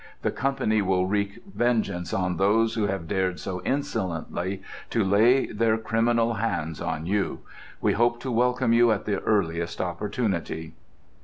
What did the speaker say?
The company will wreak vengeance on those who have dared so insolently to lay their criminal hands on you. We hope to welcome you at the earliest opportunity."